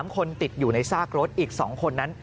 ๓คนติดอยู่ในซากรถอีก๒คนนั้น